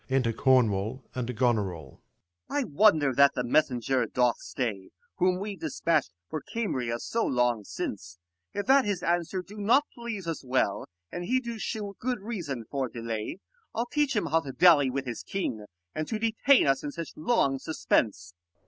Enter Cornwall and Gonorill. Corn. I wonder that the messenger doth stay, Whom we dispatch'd for Cambria so long since : If that his answer do not please us well, And he do shew good reason for delay, I'll teach him how to dally with his king, 5 And to detain us in such long suspense.